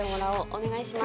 お願いします。